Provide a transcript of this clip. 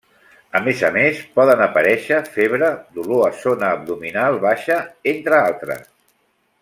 A més a més, poden aparèixer febre, dolor a zona abdominal baixa, entre altres.